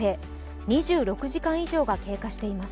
２６時間以上が経過しています。